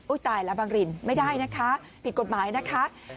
ตายแล้วบังรินไม่ได้นะคะผิดกฎหมายนะคะ